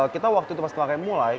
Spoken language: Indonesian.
kita waktu itu pas kemarin mulai